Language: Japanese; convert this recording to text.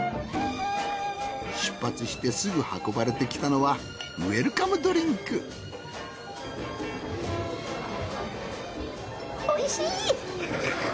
出発してすぐ運ばれてきたのはウエルカムドリンクおいしい！